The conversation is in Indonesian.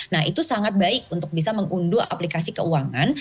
nah itu sangat baik untuk bisa mengunduh aplikasi keuangan